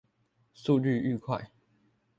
速率愈快